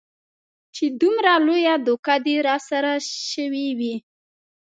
چې دومره لويه دوکه دې راسره سوې وي.